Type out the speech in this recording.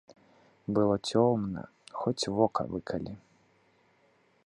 Было цёмна, хоць вока выкалі.